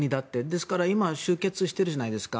ですから今集結しているじゃないですか。